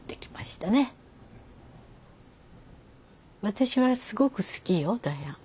私はすごく好きよダヤン。